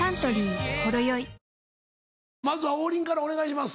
まずは王林からお願いします。